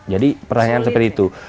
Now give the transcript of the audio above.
jadi pertanyaan seperti itu